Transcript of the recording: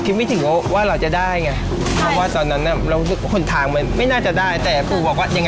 โดยที่แบบว่ามีเงินโอนมาน่ะเคียนะพี่เนี่ยะพูดเป็นเล่น